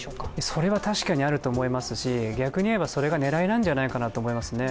それは確かにあると思いますし、逆に言えばそれが狙いなんじゃないかと思いますね。